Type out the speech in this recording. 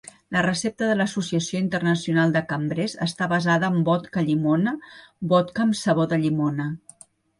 La recepta de l'Associació internacional de cambrers està basada en vodka llimona, vodka amb sabor de llimona.